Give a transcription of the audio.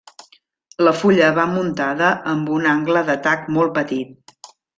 La fulla va muntada amb un angle d'atac molt petit.